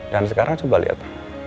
dan sekarang coba lihat